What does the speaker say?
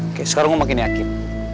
oke sekarang gue makin yakin